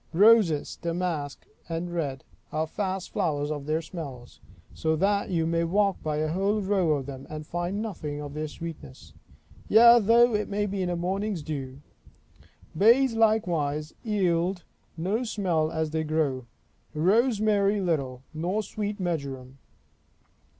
Roses, damask and red, are fast flowers of their smells; so that you may walk by a whole row of them, and find nothing of their sweetness; yea though it be in a morning's dew. Bays likewise yield no smell as they grow. Rosemary little; nor sweet marjoram.